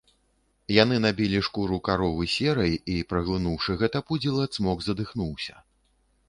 Яны набілі шкуру каровы серай, і, праглынуўшы гэта пудзіла, цмок задыхнуўся.